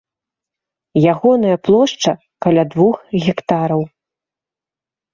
Ягоная плошча каля двух гектараў.